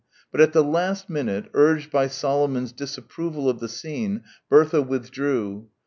But at the last minute, urged by Solomon's disapproval of the scene, Bertha withdrew.